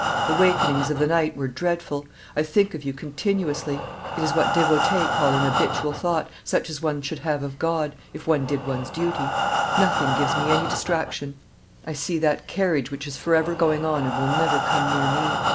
The wakenings of the night were dreadful; I think of you continuously: it is what devotees call an habitual thought, such as one should have of God, if one did one's duty. Nothing gives me any distraction. I see that carriage, which is forever going on and will never come near me.